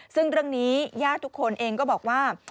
ซึ่งเรื่องนี้ญาติทุกคนเองก็บอกว่า